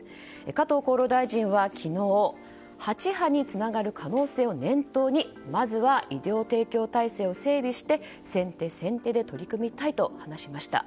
加藤厚労大臣は昨日８波につながる可能性を念頭にまずは医療提供体制を整備して先手先手で取り組みたいと話しました。